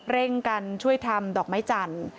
เร่งกันช่วยทำดอกไม้จันทร์